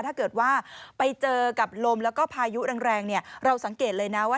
ถ้าเกิดว่าไปเจอกับลมแล้วก็พายุแรงเนี่ยเราสังเกตเลยนะว่า